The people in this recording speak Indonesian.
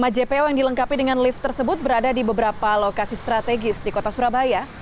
lima jpo yang dilengkapi dengan lift tersebut berada di beberapa lokasi strategis di kota surabaya